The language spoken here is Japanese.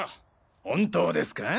本当ですか？